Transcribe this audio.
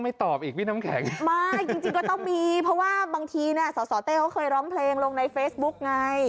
ไม่จริงก็ต้องมีเพราะว่าบางทีเนี่ยสสเต้เขาเคยร้องเพลงลงในเฟซบุ๊กไง